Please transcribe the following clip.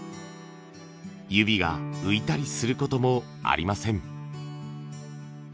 指が浮いたりすることもありません。